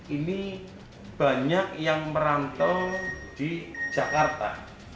ini banyak yang merantau di jakarta